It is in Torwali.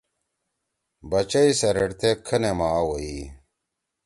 بچئی سیریڑتے کھنے ما آ ویی